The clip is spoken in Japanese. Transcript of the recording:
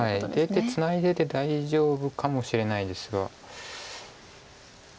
出てツナいでて大丈夫かもしれないですが。